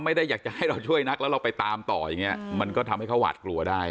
ไม่ได้อยากให้เราช่วยนักแล้วเราไปตามต่อมันก็ทำให้เขาหวัดกลัวได้